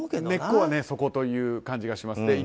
根っこはそこという感じがします。